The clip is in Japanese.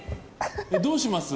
どうします？